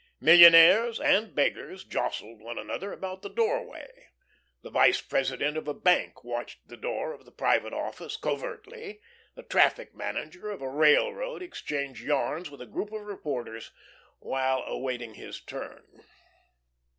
Millionaires and beggars jostled one another about the doorway. The vice president of a bank watched the door of the private office covertly; the traffic manager of a railroad exchanged yarns with a group of reporters while awaiting his turn.